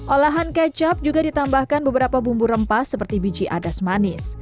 olahan kecap juga ditambahkan beberapa bumbu rempah seperti biji adas manis